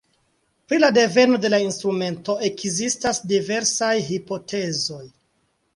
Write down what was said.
Pri la deveno de la instrumento ekzistas diversaj hipotezoj.